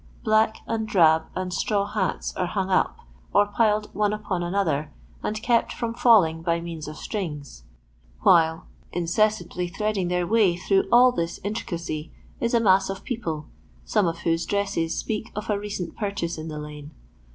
Black and drab and straw hats are hung up, or piled one upon another and kept from falling by means of strings ; while, in cessantly threading their way through all this intricacy, is a mass of people, some of whose dresses speak of a recent purchase in the lane.